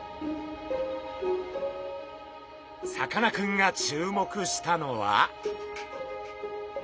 さかなクンが注目したのは。